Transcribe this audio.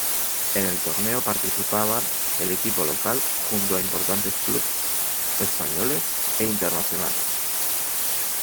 En el torneo participaban, el equipo local junto a importantes clubes españoles e internacionales.